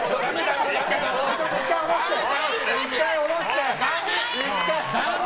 １回、下ろして！